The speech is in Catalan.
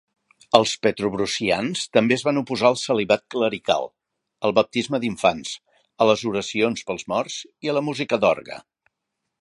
Els petrobrusians també es van oposar al celibat clerical, al baptisme d'infants, a les oracions pels morts i a la música d'orgue.